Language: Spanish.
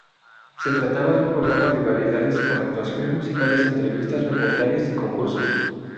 Se trataba de un programa de variedades con actuaciones musicales, entrevistas, reportajes y concursos.